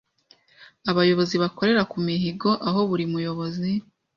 Abayobozi bakorera ku mihigo aho buri muyobozi